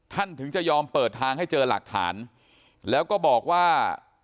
ถึงจะยอมเปิดทางให้เจอหลักฐานแล้วก็บอกว่า